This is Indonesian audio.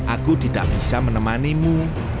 aku tidak bisa menemanimu